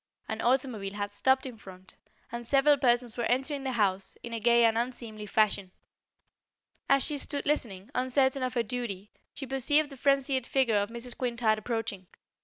An automobile had stopped in front, and several persons were entering the house, in a gay and unseemly fashion. As she stood listening, uncertain of her duty, she perceived the frenzied figure of Mrs. Quintard approaching.